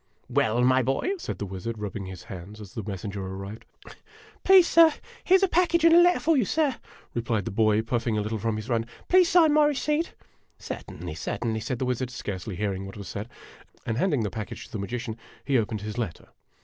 "Well, my boy?" said the wizard, rubbing his hands, as the messenger arrived. " Please, sir, here 's a package and a letter for you, sir," replied the boy, puffing a little from his run. " Please sign my receipt." " Certainly, certainly," said the wizard, scarcely hearing what was said ; and handing the package to the magician, he opened his letter.